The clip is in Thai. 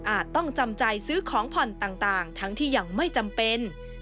ต้องจำใจซื้อของผ่อนต่างทั้งที่ยังไม่จำเป็น